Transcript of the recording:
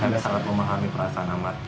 saya sangat memahami perasaan amar